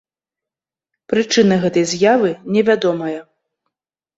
Прычына гэтай з'явы невядомая.